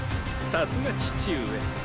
さすが父上。